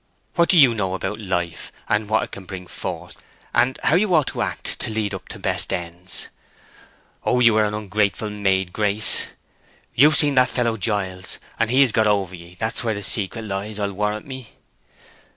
What do you know about life and what it can bring forth, and how you ought to act to lead up to best ends? Oh, you are an ungrateful maid, Grace; you've seen that fellow Giles, and he has got over ye; that's where the secret lies, I'll warrant me!"